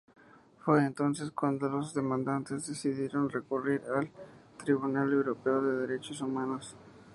Fue entonces cuando los demandantes decidieron recurrir al Tribunal Europeo de Derechos Humanos.